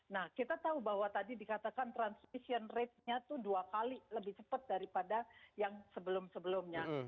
nah kita tahu bahwa tadi dikatakan transmission ratenya itu dua kali lebih cepat daripada yang sebelum sebelumnya